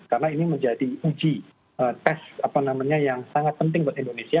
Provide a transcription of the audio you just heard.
karena ini menjadi uji tes yang sangat penting buat indonesia